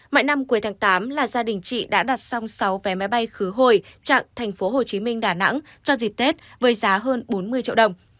mọi năm cuối tháng tám là gia đình chị đã đặt xong sáu vé máy bay khứ hồi trạng tp hcm đà nẵng cho dịp tết với giá hơn bốn mươi triệu đồng